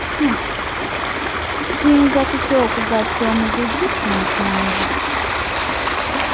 Tuyinza tutya okugatta omuguzi ku mutunzi?